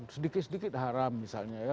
sedikit sedikit haram misalnya